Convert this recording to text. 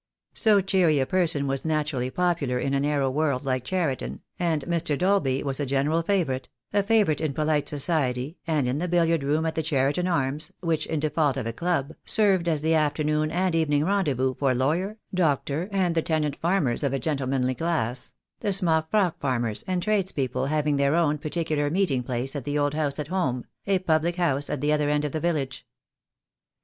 So cheery a person was naturally popular in a narrow world like Cheriton, and Mr. Dolby was a general favourite, a favourite in polite society, and in the billiard room at the Cheriton Arms, which, in default of a club, served as the afternoon and evening rendezvous for lawyer, doctor, and the tenant farmers of a gentlemanly class — the smock frock farmers and tradespeople having their own particular meeting place at the Old House at Home, a public house at the other end of the village.